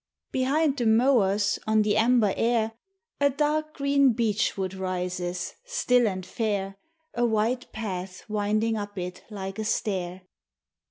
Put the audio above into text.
Behind the mowers, on the amber air, A dark green beech wood rises, still and fair, A white path winding up it like a stair.